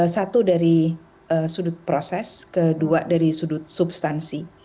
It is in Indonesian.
satu dari sudut proses kedua dari sudut substansi